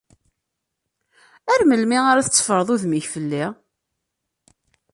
Ar melmi ara tetteffreḍ udem-ik fell-i?